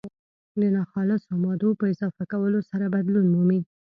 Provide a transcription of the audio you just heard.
د ناخالصو مادو په اضافه کولو سره بدلون مومي.